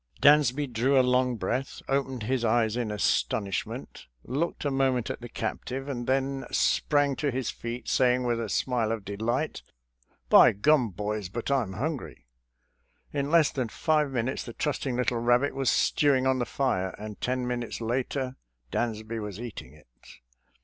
Dansby drew a long breath, opened his eyes in astonishment. ABOUND TORKTOWN 89 looked a moment at the captive, and then sprang to his feet, saying with a smile of delight, " By gum, boys, but I'm hungry !" In less than five minutes the trusting little rabbit was stewing on the fire, and ten minutes later Dansby was eat ing it.